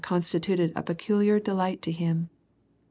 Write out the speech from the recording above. onstituted a peculiar delight to him.